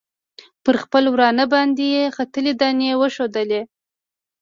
پر خپل ورانه باندې ختلي دانې یې وښودلې.